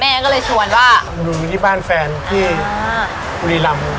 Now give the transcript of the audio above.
แม่ก็เลยชวนว่าหนูอยู่ที่บ้านแฟนที่บุรีรำ